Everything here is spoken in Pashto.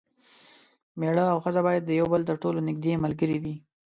میړه او ښځه باید د یو بل تر ټولو نږدې ملګري وي.